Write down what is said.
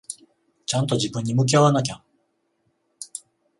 ちゃんと自分に向き合わなきゃ。